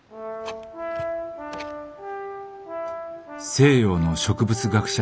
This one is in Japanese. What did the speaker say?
「西洋の植物学者